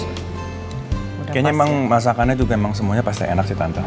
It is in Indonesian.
kayaknya emang masakannya juga memang semuanya pasti enak sih tantangan